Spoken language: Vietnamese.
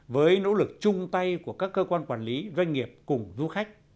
với nỗ lực chung tay của các cơ quan quản lý doanh nghiệp cùng du khách